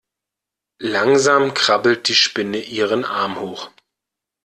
Langsam krabbelt die Spinne ihren Arm hoch.